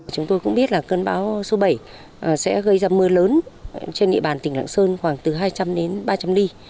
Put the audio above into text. chúng tôi cũng biết là cơn bão số bảy sẽ gây ra mưa lớn trên địa bàn tỉnh lạng sơn khoảng từ hai trăm linh đến ba trăm linh mm